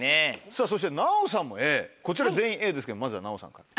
さぁそして奈緒さんもＡこちら全員Ａですけどまずは奈緒さんから。